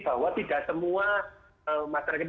bahwa tidak semua masyarakat